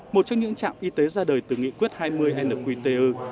một trong những trạm y tế ra đời từ nghị quyết hai mươi nqtu